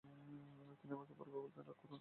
তিনি আমাকে বারবার বলতেন, রাগ কোরো না।